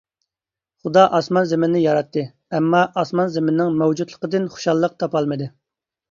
خۇدا ئاسمان-زېمىننى ياراتتى، ئەمما، ئاسمان-زېمىننىڭ مەۋجۇتلۇقىدىن خۇشاللىق تاپالمىدى.